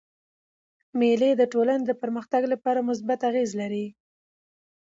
مېلې د ټولني د پرمختګ له پاره مثبت اغېز لري.